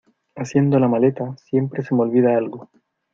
Haciendo la maleta, siempre se me olvida algo.